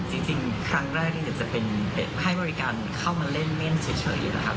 จริงครั้งแรกจะเป็นให้บริการเข้ามาเล่นเม่นเฉยนะครับ